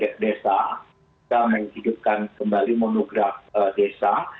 kita menghidupkan kembali monograf desa